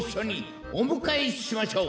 おむかえしましょう。